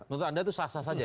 menurut anda itu sah sah saja